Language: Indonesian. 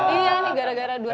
iya nih gara gara dua hari